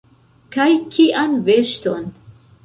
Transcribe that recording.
Kaj kian veŝton?